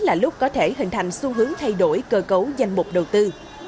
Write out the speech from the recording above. là lúc có thể hình thành xu hướng thay đổi cơ cấu danh mục đầu tư